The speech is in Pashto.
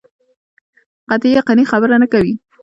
قطعي یقیني خبره نه کوي.